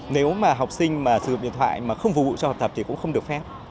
nếu mà học sinh mà sử dụng điện thoại mà không phục vụ cho học tập thì cũng không được phép